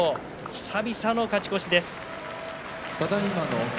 久々の勝ち越しです。